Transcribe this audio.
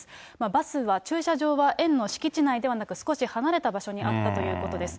バスは、駐車場は園の敷地内ではなく、少し離れた場所にあったということです。